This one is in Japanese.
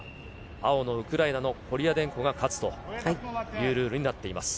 青のウクライナのコリアデンコが勝つというルールになっています。